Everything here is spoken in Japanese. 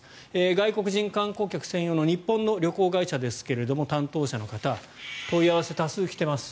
外国人観光客専用の日本旅行会社ですが担当者の方問い合わせが多数来ています